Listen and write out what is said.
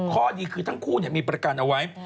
ข้อดีคือทั้งคู่มีประกันเอาไว้